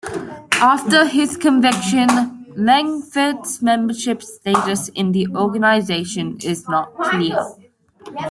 After his conviction, Langford's membership status in the organization is not clear.